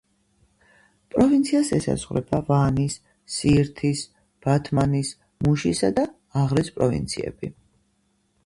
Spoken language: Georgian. პროვინციას ესაზღვრება ვანის, სიირთის, ბათმანის, მუშისა და აღრის პროვინციები.